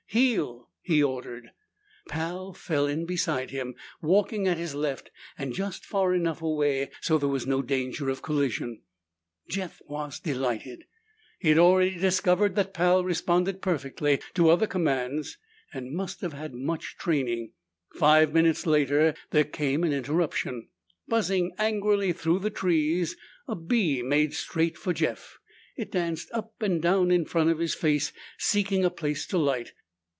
"Heel!" he ordered. Pal fell in beside him, walking at his left and just far enough away so there was no danger of collision. Jeff was delighted; he had already discovered that Pal responded perfectly to other commands and must have had much training. Five minutes later there came an interruption. Buzzing angrily through the trees, a bee made straight for Jeff. It danced up and down in front of his face, seeking a place to light.